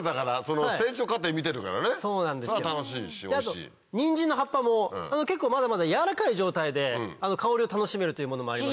であとニンジンの葉っぱも結構まだまだ柔らかい状態で香りを楽しめるというものもありますんで。